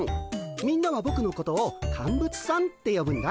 みんなはぼくのことをカンブツさんってよぶんだ。